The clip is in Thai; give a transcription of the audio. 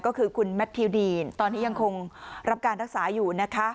ก็คือคุณแมททิวดีนตอนนี้ยังคงรับการรักษาอยู่นะคะ